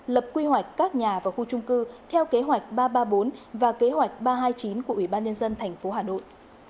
lập quy hoạch các nhà và khu trung cư theo kế hoạch ba trăm ba mươi bốn và kế hoạch ba trăm hai mươi chín của ủy ban nhân dân tp hà nội